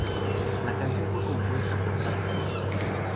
La canción fue compuesta por Paty Cantú.